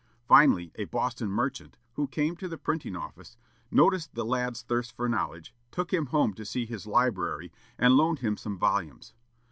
Finally, a Boston merchant, who came to the printing office, noticed the lad's thirst for knowledge, took him home to see his library, and loaned him some volumes.